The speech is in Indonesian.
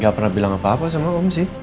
gak pernah bilang apa apa sama om sih